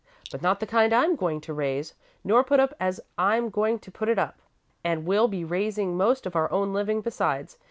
"But not the kind I'm going to raise, nor put up as I'm going to put it up, and we'll be raising most of our own living besides.